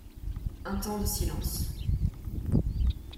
Un temps de silence.